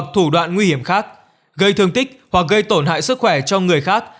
thủ đoạn nguy hiểm khác gây thương tích hoặc gây tổn hại sức khỏe cho người khác